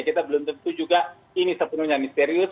kita belum tentu juga ini sepenuhnya misterius